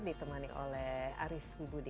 ditemani oleh aris hududi